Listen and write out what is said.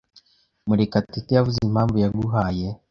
Murekatete yavuze impamvu yaguhaye?